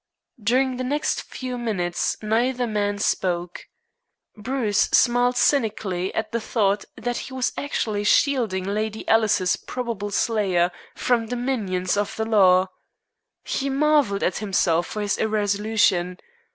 During the next few minutes neither man spoke. Bruce smiled cynically at the thought that he was actually shielding Lady Alice's probable slayer from the minions of the law. He marvelled at himself for his irresolution.